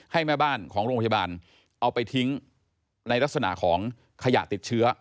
ให้แม่บ้านของโรงพยาบาลเอาไปทิ้งในลักษณะของขยะติดเชื้อ